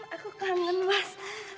aku kangen mas